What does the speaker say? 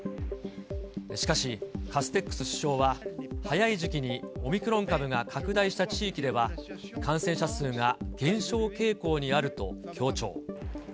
しかし、カステックス首相は、早い時期にオミクロン株が拡大した地域では、感染者数が減少傾向にあると強調。